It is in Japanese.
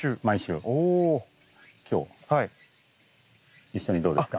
今日一緒にどうですか？